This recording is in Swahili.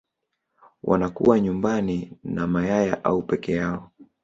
wanakuwa nyumbani na mayaya au peke yao